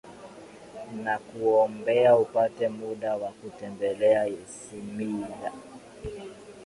nakuombea upate muda wa kutembelea isimila